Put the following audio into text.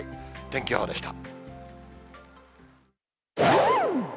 天気予報でした。